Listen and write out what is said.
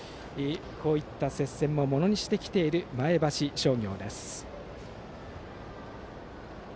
こういった接戦をものにしてきている前橋商業です。